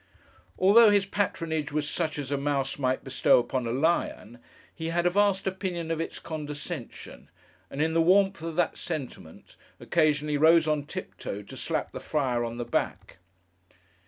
Although his patronage was such as a mouse might bestow upon a lion, he had a vast opinion of its condescension; and in the warmth of that sentiment, occasionally rose on tiptoe, to slap the Friar on the back.